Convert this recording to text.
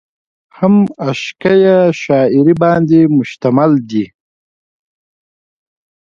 هم عشقيه شاعرۍ باندې مشتمل دي ۔